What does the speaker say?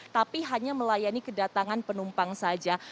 tapi hanya melayani kedatangan penumpang saja